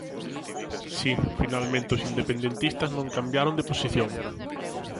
Si, finalmente os independentistas non cambiaron de posición.